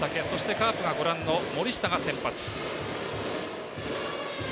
カープがご覧の森下が先発。